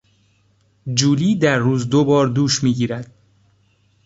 جولی در روز دوبار دوش میگیرد.